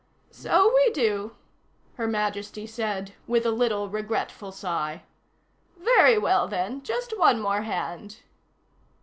"So we do," Her Majesty said with a little regretful sigh. "Very well, then. Just one more hand."